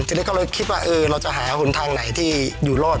ทีนี้ก็เลยคิดว่าเราจะหาหนทางไหนที่อยู่รอด